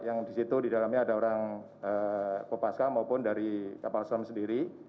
yang di situ di dalamnya ada orang kopaska maupun dari kapal selam sendiri